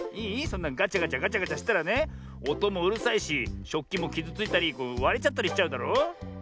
そんなガチャガチャガチャガチャしたらねおともうるさいししょっきもきずついたりわれちゃったりしちゃうだろ。